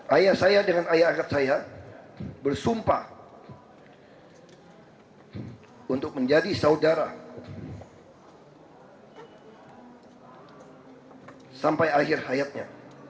ayah saya dengan ayah angkat saya bersumpah untuk menjadi saudara sampai akhir hayatnya